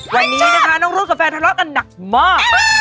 วันนี้นะคะน้องรุ๊ดกับแฟนทะเลาะกันหนักมาก